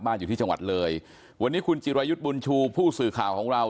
อยู่ที่จังหวัดเลยวันนี้คุณจิรายุทธ์บุญชูผู้สื่อข่าวของเรา